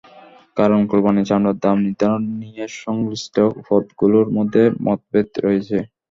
কারণ, কোরবানির চামড়ার দাম নির্ধারণ নিয়ে সংশ্লিষ্ট পক্ষগুলোর মধ্যে মতভেদ রয়েছে।